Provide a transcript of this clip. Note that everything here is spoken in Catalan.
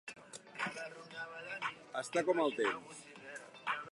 Estar com el temps.